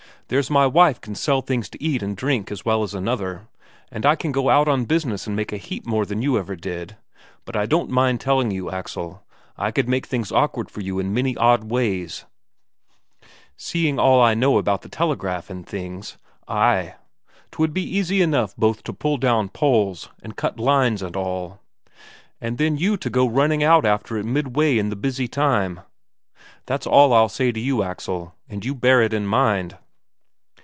There's my wife can sell things to eat and drink as well as another, and I can go out on business and make a heap more than you ever did. But I don't mind telling you, Axel, I could make things awkward for you in many odd ways, seeing all I know about the telegraph and things; ay, 'twould be easy enough both to pull down poles and cut the line and all. And then you to go running out after it midway in the busy time. That's all I'll say to you, Axel, and you bear it in mind...."